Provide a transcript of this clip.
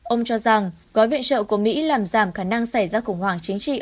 ông cho rằng gói viện trợ của mỹ làm giảm khả năng xảy ra khủng hoảng chính trị